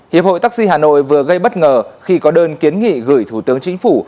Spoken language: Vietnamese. hiệp hội taxi hà nội vừa gây bất ngờ khi có đơn kiến nghị gửi thủ tướng chính phủ